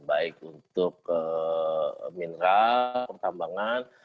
baik untuk mineral pertambangan